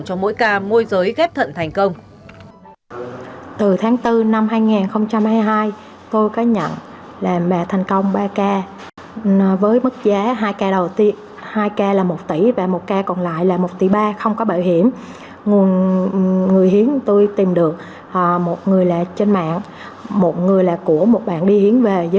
cho mỗi ca môi giới ghép thận thành công